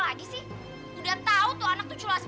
aku tak tahu dimana